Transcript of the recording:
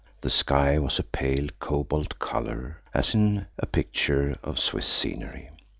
The sky was a pale cobalt colour, as in pictures of Swiss scenery.